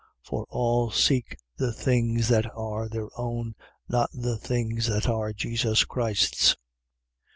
2:21. For all seek the things that are their own not the things that are Jesus Christ's.